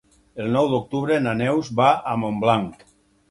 El nou d'octubre na Neus va a Montblanc.